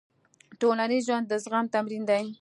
ټولنیز ژوند د زغم تمرین دی.